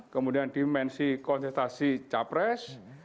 kemudian dimensi kontestasi capres